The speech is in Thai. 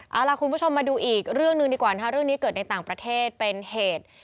เอาล่ะคุณผู้ชมมาดูอีกเรื่องหนึ่งดีกว่านะคะเรื่องนี้เกิดในต่างประเทศเป็นเหตุ